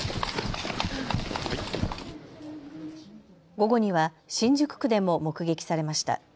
午後には新宿区でも目撃されました。